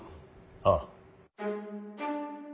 ああ。